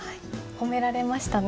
褒められましたね。